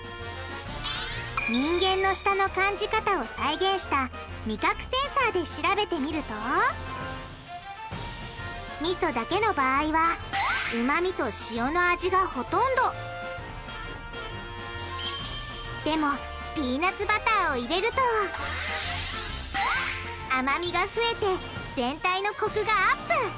人間の舌の感じ方を再現した味覚センサーで調べてみるとみそだけの場合はうま味と塩の味がほとんどでもピーナツバターを入れると甘味が増えて全体のコクがアップ！